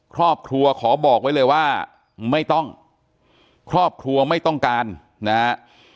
ครอบครัวขอบอกไว้เลยว่าไม่ต้องครอบครัวไม่ต้องการนะฮะ